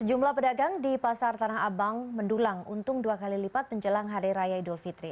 sejumlah pedagang di pasar tanah abang mendulang untung dua kali lipat menjelang hari raya idul fitri